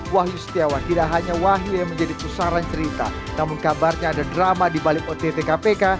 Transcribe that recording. wahyu setiawan tidak hanya wahyu yang menjadi pusaran cerita namun kabarnya ada drama di balik ott kpk